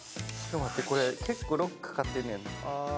これ結構ロックかかってんやな。